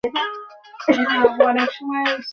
অপরেরও যাহাতে কল্যাণ হয়, সেজন্য কিছু করিতে হইবে।